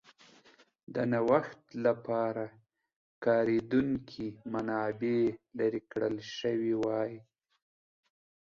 د نوښت لپاره کارېدونکې منابع لرې کړل شوې وای.